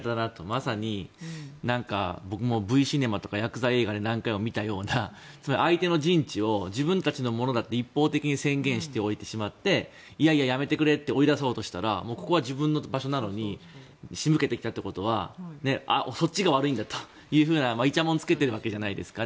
まさに、僕もＶシネマとかヤクザ映画で何回も見たような、相手の陣地を自分たちのものだって一方的に宣言しておいてしまっていやいや、やめてくれって追い出そうとしたらここは自分の場所なのに仕向けてきたということはそっちが悪いんだといういちゃもんをつけているわけじゃないですか。